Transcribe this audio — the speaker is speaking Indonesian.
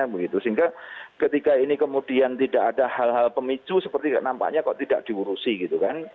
sehingga ketika ini kemudian tidak ada hal hal pemicu seperti nampaknya kok tidak diurusi gitu kan